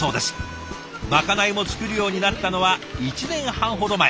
まかないも作るようになったのは１年半ほど前。